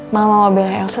mama mau belah elsa